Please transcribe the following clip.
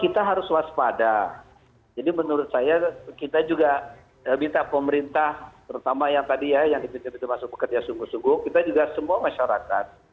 kita harus waspada jadi menurut saya kita juga minta pemerintah terutama yang tadi ya yang masuk bekerja sungguh sungguh kita juga semua masyarakat